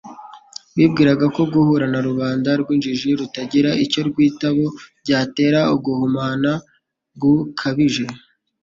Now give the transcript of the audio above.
Bibwiraga ko guhura na rubanda rw'injiji rutagira icyo rwitabo byatera uguhumana gukabije.